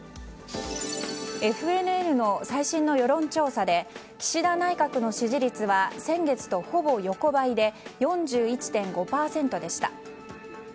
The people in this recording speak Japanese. ＦＮＮの最新の世論調査で岸田内閣の支持率は先月と、ほぼ横ばいで４１．５％でした。